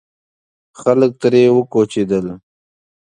خلک ترې وکوچېدل.